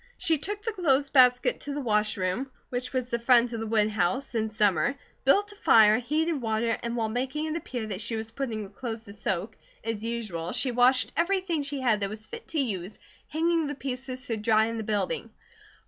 She took the clothes basket to the wash room, which was the front of the woodhouse, in summer; built a fire, heated water, and while making it appear that she was putting the clothes to soak, as usual, she washed everything she had that was fit to use, hanging the pieces to dry in the building.